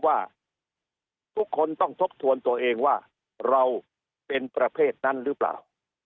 ว่าทุกคนต้องทบทวนตัวเองว่าเราเป็นประเภทนั้นหรือเปล่า